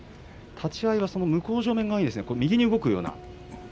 立ち合いは向正面側右に動くような。